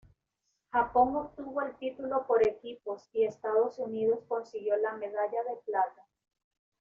Japón obtuvo el título por equipos y Estados Unidos consiguió la medalla de plata.